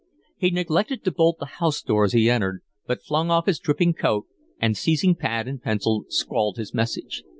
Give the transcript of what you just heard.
He neglected to bolt the house door as he entered, but flung off his dripping coat and, seizing pad and pencil, scrawled his message.